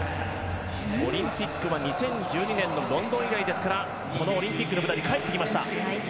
オリンピックは２０１２年のロンドン以来ですからオリンピックの舞台に帰ってきました。